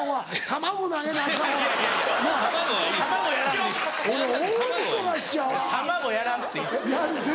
卵やらんくていいです。